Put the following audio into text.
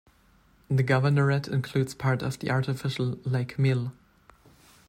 The governorate includes part of the artificial Lake Milh.